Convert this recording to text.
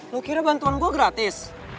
lu kira bantuan gue gratis